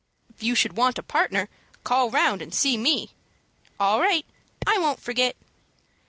"If you should want a partner, call round and see me." "All right. I won't forget."